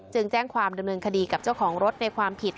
แจ้งความดำเนินคดีกับเจ้าของรถในความผิด